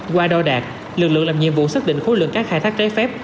qua đo đạc lực lượng làm nhiệm vụ xác định khối lượng cát khai thác trái phép